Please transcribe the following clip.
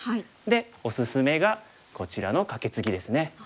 でおすすめがこちらのカケツギですね。